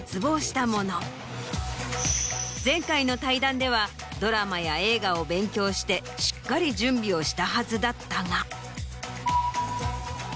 前回の対談ではドラマや映画を勉強してしっかり準備をしたはずだったが。